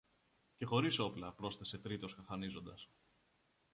Και χωρίς όπλα, πρόσθεσε τρίτος χαχανίζοντας.